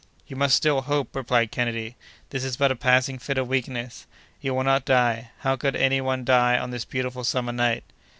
"You must still hope," replied Kennedy. "This is but a passing fit of weakness. You will not die. How could any one die on this beautiful summer night?"